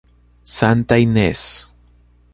Santa Inês